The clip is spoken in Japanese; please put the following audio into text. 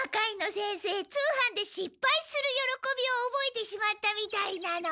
先生通販でしっぱいするよろこびをおぼえてしまったみたいなの。